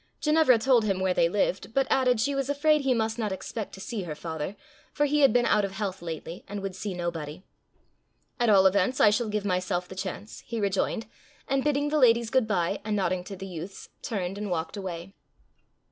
Ginevra told him where they lived, but added she was afraid he must not expect to see her father, for he had been out of health lately, and would see nobody. "At all events I shall give myself the chance," he rejoined, and bidding the ladies good bye, and nodding to the youths, turned and walked away.